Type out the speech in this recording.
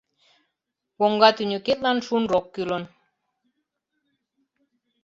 — Коҥга тӱньыкетлан шунрок кӱлын.